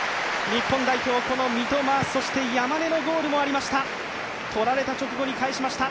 日本代表、三笘、そして山根のゴールもありました。